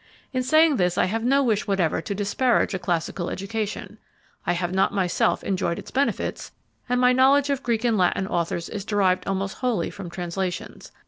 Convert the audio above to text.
In saying this I have no wish whatever to disparage a classical education. I have not myself enjoyed its benefits, and my knowledge of Greek and Latin authors is derived almost wholly from translations.